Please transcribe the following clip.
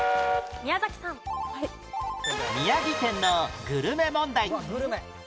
宮城県のグルメ問題